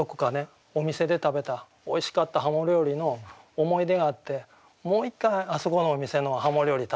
お店で食べたおいしかった鱧料理の思い出があってもう一回あそこのお店の鱧料理